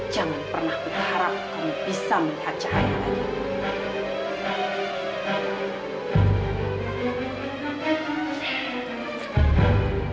jangan pernah kuharap kamu bisa melihat cahaya lagi